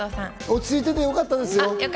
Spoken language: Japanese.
落ち着いててよかったですよ。